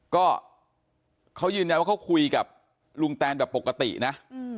ก็เขายืนยันว่าเขาคุยกับลุงแตนแบบปกตินะ